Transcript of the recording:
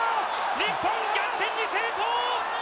日本、逆転に成功！